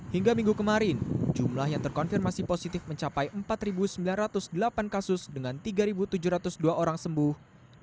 hingga minggu kemarin jumlah yang terkonfirmasi positif mencapai empat sembilan ratus delapan kasus dengan tiga tujuh ratus dua orang sembuh